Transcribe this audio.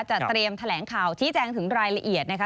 เตรียมแถลงข่าวชี้แจงถึงรายละเอียดนะคะ